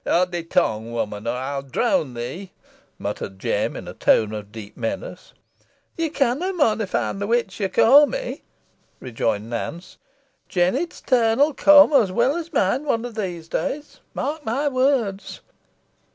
"Howd thy tongue, woman, or ey'n drown thee," muttered Jem, in a tone of deep menace. "Ye canna, mon, if ey'm the witch ye ca' me," rejoined Nance. "Jennet's turn'll come os weel os mine, one o' these days. Mark my words."